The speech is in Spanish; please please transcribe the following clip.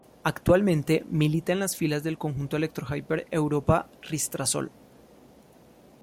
Actualmente milita en las filas del conjunto Electro Hiper Europa-Ristrasol.